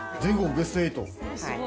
ベスト８。